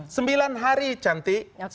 sembilan hari cantik